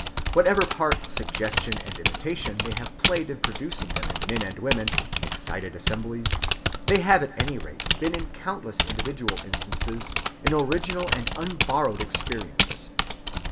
Whatever part suggestion and imitation may have played in producing them in men and women in excited assemblies, they have at any rate been in countless individual instances an original and unborrowed experience.